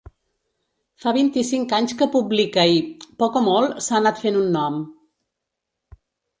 Fa vint-i-cinc anys que publica i, poc o molt, s'ha anat fent un nom.